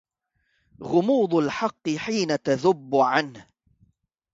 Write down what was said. غموض الحق حين تذب عنه